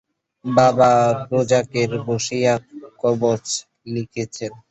বাবা রোযাকে বসিয়া কবচ লিখিতেছে।